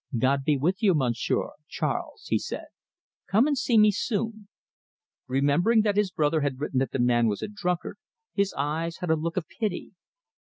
"God be with you, Monsieur Charles," he said. "Come and see me soon." Remembering that his brother had written that the man was a drunkard, his eyes had a look of pity.